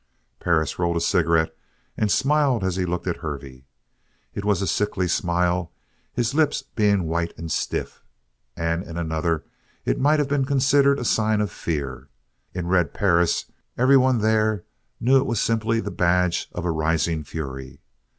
Perris rolled a cigarette, and smiled as he looked at Hervey. It was a sickly smile, his lips being white and stiff. And in another, it might have been considered a sign of fear. In Red Perris everyone there knew it was simply the badge of a rising fury.